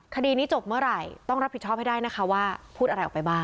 คดีนี้จบเมื่อไหร่ต้องรับผิดชอบให้ได้นะคะว่าพูดอะไรออกไปบ้าง